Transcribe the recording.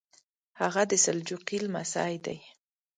هغه د سلجوقي لمسی دی.